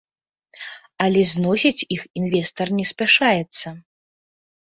Але зносіць іх інвестар не спяшаецца.